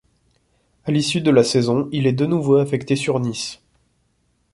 À l’issue de la saison, il est de nouveau affecté sur Nice.